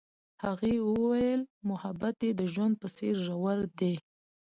هغې وویل محبت یې د ژوند په څېر ژور دی.